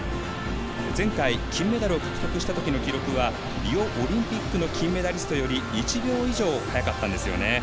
前回、金メダルを獲得したときの記憶はリオオリンピックの金メダリストより１秒以上速かったんですよね。